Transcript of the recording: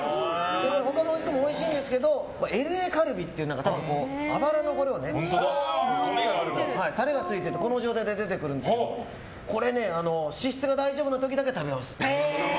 他のお肉もおいしんですけどＬＡカルビっていうあばらの骨タレがついててこの状態で出てくるんですけどこれね、脂質が大丈夫な時だけ食べます。